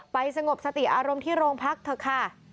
สงบสติอารมณ์ที่โรงพักเถอะค่ะ